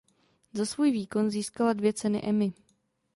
Za svůj výkon získala dvě ceny Emmy.